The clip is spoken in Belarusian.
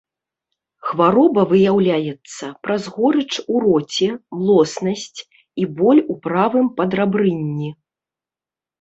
Хвароба выяўляецца праз горыч у роце, млоснасць і боль у правым падрабрынні.